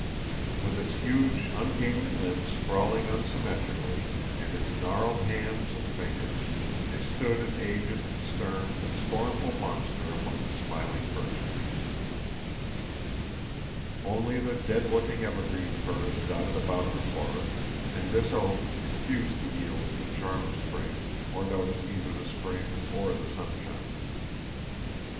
With its huge ungainly limbs sprawling unsymmetrically, and its gnarled hands and fingers, it stood an aged, stern, and scornful monster among the smiling birch trees. Only the dead looking evergreen firs dotted about in the forest, and this oak, refused to yield to the charm of spring or notice either the spring or the sunshine.